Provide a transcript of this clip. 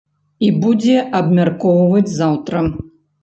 І будзе абмяркоўваць заўтра.